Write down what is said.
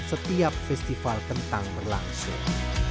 setiap festival kentang berlangsung